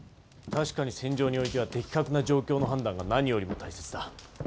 確かに戦場においては的確な状況の判断が何よりも大切だ。